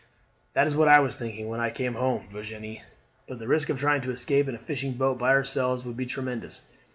"That is what I was thinking when I came home, Virginie; but the risk of trying to escape in a fishing boat by ourselves would be tremendous.